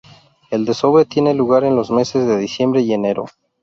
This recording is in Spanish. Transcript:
El desove tiene lugar en los meses de diciembre y enero.